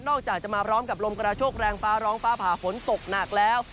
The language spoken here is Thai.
อกจากจะมาพร้อมกับลมกระโชคแรงฟ้าร้องฟ้าผ่าฝนตกหนักแล้ว